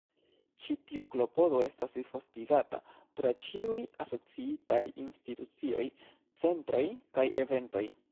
Ĉi tiu klopodo estas disvastigata tra ĉiuj asociitaj institucioj, centroj kaj eventoj.